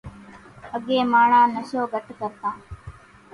اڳيَ ماڻۿان نشو گھٽ ڪرتان۔